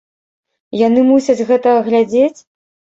Яны мусяць гэта глядзець?